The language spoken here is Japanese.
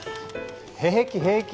平気平気。